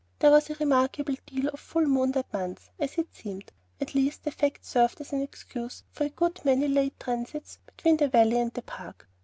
There was a remarkable deal of full moon that month, as it seemed; at least, the fact served as an excuse for a good many late transits between the valley and the park.